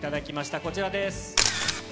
こちらです。